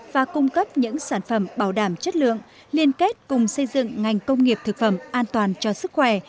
và cung cấp những sản phẩm bảo đảm chất lượng liên kết cùng xây dựng ngành công nghiệp thực phẩm an toàn cho sức khỏe